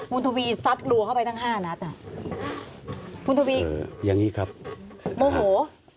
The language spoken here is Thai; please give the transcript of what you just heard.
คุณทวีซัดรัวเข้าไปตั้งห้านัดอ่ะคุณทวีอย่างนี้ครับโมโห